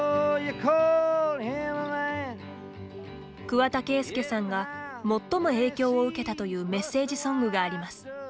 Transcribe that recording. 桑田佳祐さんが最も影響を受けたというメッセージソングがあります。